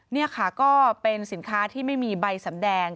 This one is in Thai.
นี่ค่ะก็เป็นสินค้าที่ไม่มีใบสำแดง